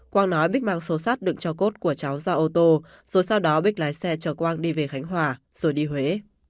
quang nói bích mang số sắt được cho cốt của cháu ra ô tô rồi sau đó bích lái xe chở quang đi về khánh hòa rồi đi huế